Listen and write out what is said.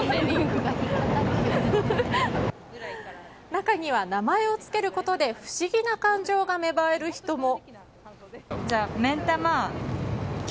中には名前を付けることで不思議な感情が芽生える人も。